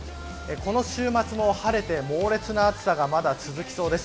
週末も晴れて猛烈な暑さが続きそうです。